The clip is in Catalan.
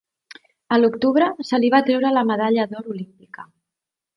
A l'octubre, se li va treure la medalla d'or olímpica.